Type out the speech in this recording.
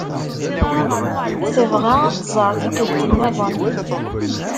Tebɣa ad t-tẓer tikelt nniḍen.